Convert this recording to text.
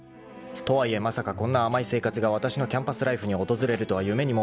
［とはいえまさかこんな甘い生活がわたしのキャンパスライフに訪れるとは夢にも思わなかった］